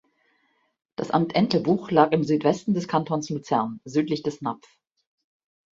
Das Amt Entlebuch lag im Südwesten des Kantons Luzern, südlich des Napf.